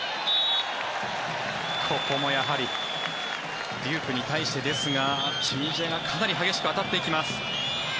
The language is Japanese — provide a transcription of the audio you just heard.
ここも、やはりデュークに対してですがチュニジアがかなり激しく当たっていきます。